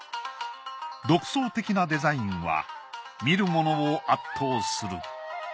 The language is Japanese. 独創的なデザインは見る者を圧倒する。